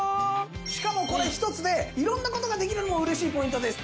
しかもこれ一つでいろんな事ができるのも嬉しいポイントです。